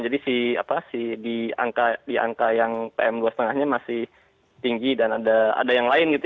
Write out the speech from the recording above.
jadi si apa si di angka yang pm dua lima nya masih tinggi dan ada yang lain gitu